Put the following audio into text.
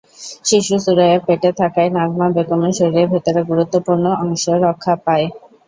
শিশু সুরাইয়া পেটে থাকায় নাজমা বেগমের শরীরের ভেতরের গুরুত্বপূর্ণ অংশ রক্ষা পায়।